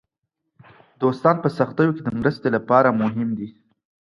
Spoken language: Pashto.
دوستان په سختیو کې د مرستې لپاره مهم دي.